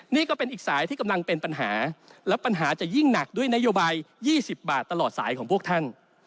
นี่ก็เป็นอีกสายที่กำลังเป็นปัญหาและปัญหาจะยิ่งหนักด้วยนโยบาย๒๐บาทตลอดสายของพวกท่าน